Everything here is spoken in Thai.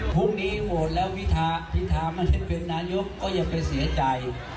พรุ่งนี้โหวตแล้วพิธาไม่ได้เป็นนายกก็อย่าไปเสียใจ